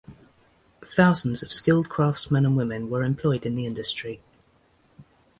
Thousands of skilled craftsmen and -women were employed in the industry.